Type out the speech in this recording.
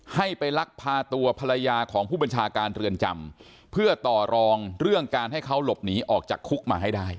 ให้ไปลักพาตัวภรรยาของผู้บัญชาการเรือนจำเพื่อต่อรองเรื่องการให้เขาหลบหนีออกจากคุกมาให้ได้